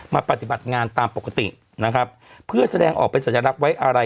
ปฏิบัติงานตามปกตินะครับเพื่อแสดงออกเป็นสัญลักษณ์ไว้อะไร